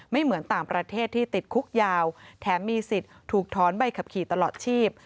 เหมือนต่างประเทศที่ติดคุกยาวแถมมีสิทธิ์ถูกถอนใบขับขี่ตลอดชีพ